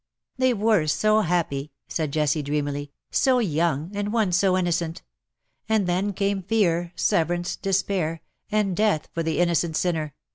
" They were so happy \'' said Jessie dreamily, " so young, and one so innocent ; and then came fear, severance, despair, and death for the innocent sinner.